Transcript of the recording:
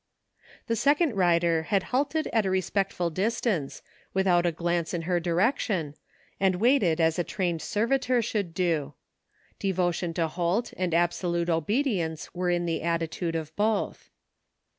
The second rider had halted at a respect ftd dis tance, without a glance in her direction, and waited as a trained servitor should do. Devotion to Holt and absolute obedience were in the attitude of both.